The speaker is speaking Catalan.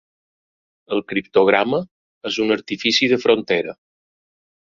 El criptograma és un artifici de frontera.